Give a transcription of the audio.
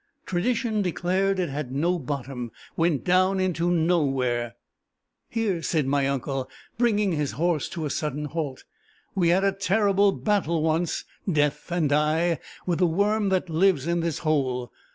Tradition declared it had no bottom went down into nowhere. "Here," said my uncle, bringing his horse to a sudden halt, "we had a terrible battle once, Death and I, with the worm that lives in this hole.